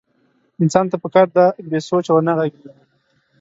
انسان ته پکار ده بې سوچه ونه غږېږي.